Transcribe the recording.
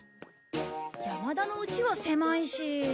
山田のうちは狭いし。